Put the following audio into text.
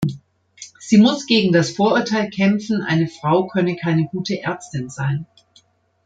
Sie muss gegen das Vorurteil kämpfen, eine Frau könne keine gute Ärztin sein.